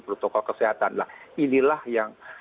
protokol kesehatan nah inilah yang